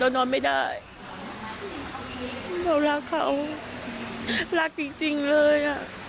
นอนไม่ได้เรารักเขารักจริงจริงเลยอ่ะ